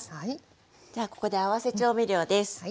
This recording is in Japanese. ではここで合わせ調味料です。